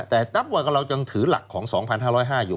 ๒๕๓๕แต่ตั๊บวันก็เรายังถือหลักของ๒๕๐๕อยู่